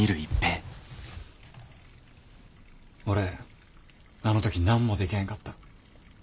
俺あの時何もでけへんかった。